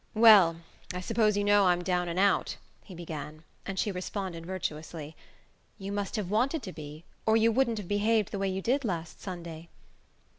"Well, I suppose you know I'm down and out," he began; and she responded virtuously: "You must have wanted to be, or you wouldn't have behaved the way you did last Sunday."